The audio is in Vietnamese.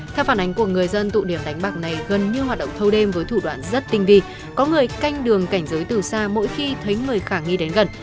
theo phản ánh của người dân tụ điểm đánh bạc này gần như hoạt động thâu đêm với thủ đoạn rất tinh vi có người canh đường cảnh giới từ xa mỗi khi thấy người khả nghi đến gần